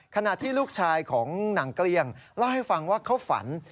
ขณะที่ลูกชายของนางเกลี้ยงเล่าให้ฟังว่าเขาฝัน